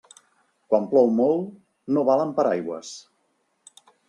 Quan plou molt, no valen paraigües.